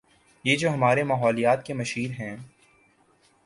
یہ جو ہمارے ماحولیات کے مشیر ہیں۔